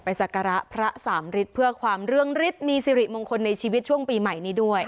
สักการะพระสามฤทธิ์เพื่อความเรื่องฤทธิ์มีสิริมงคลในชีวิตช่วงปีใหม่นี้ด้วย